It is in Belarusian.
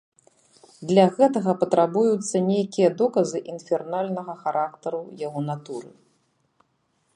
Для гэтага патрабуюцца нейкія доказы інфернальнага характару яго натуры.